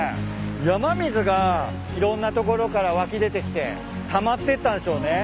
山水がいろんな所から湧き出てきてたまってったんでしょうね。